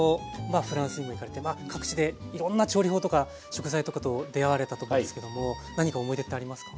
フランスにも行かれて各地でいろんな調理法とか食材とかと出会われたと思うんですけども何か思い出ってありますか？